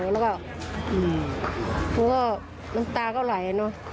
แล้วก็น้ำตาก็ไหล